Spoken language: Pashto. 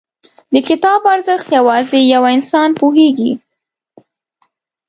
• د کتاب ارزښت، یوازې پوه انسان پوهېږي.